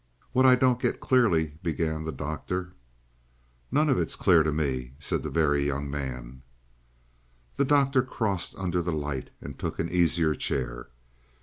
"What I don't get clearly" began the Doctor. "None of it's clear to me," said the Very Young Man. The Doctor crossed under the light and took an easier chair.